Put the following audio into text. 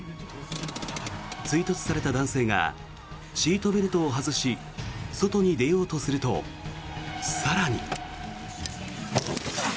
追突された男性がシートベルトを外し外に出ようとすると、更に。